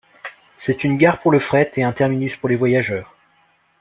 C'est une gare pour le fret et un terminus pour les voyageurs.